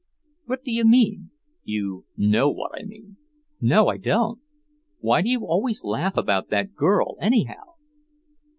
"What do you mean?" "You know what I mean." "No, I don't. Why do you always laugh about that girl, anyhow?"